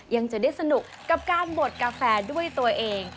ยังจะได้สนุกกับการบดกาแฟด้วยตัวเอง